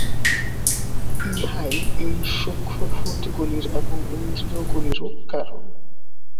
ইহাই এই সূক্ষ্ম ভূতগুলির এবং ইন্দ্রিয়গুলিরও কারণ।